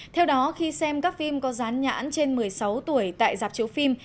theo đó khi xem các phim có rán nhãn trên một mươi sáu tuổi tại giáp chữ phim